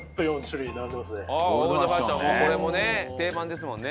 これもね定番ですもんね。